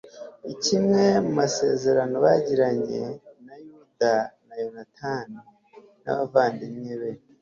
kimwe n'amasezerano bagiranye na yuda na yonatani n'abavandimwe be